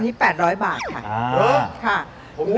อันนี้๘๐๐บาทค่ะ